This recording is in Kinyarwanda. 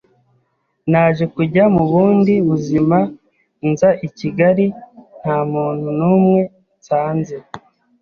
naje kujya mu bundi buzima nza I Kigali nta muntu n’umwe nsanze,